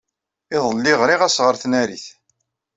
Iḍelli, ɣriɣ-as ɣer tnarit.